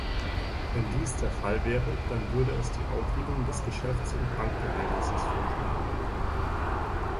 Wenn dies der Fall wäre, dann würde es die Aufhebung des Geschäfts- und Bankgeheimnisses vorschlagen.